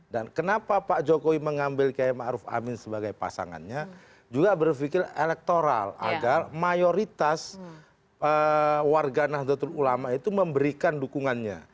dan kenapa pak jokowi mengambil kiai ma'ruf amin sebagai pasangannya juga berpikir elektoral agar mayoritas warga nahdlatul ulama itu memberikan dukungannya